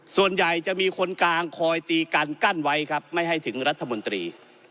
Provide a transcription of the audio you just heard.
ส่วนใหญ่จะมีคนกลางคอยตีกันกั้นไว้ครับไม่ให้ถึงรัฐมนตรี